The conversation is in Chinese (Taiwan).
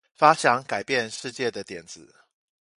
發想改變世界的點子